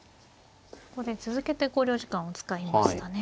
ここで続けて考慮時間を使いましたね。